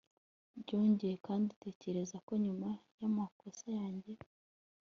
Byongeye kandi tekereza ko nyuma yamakosa yanjye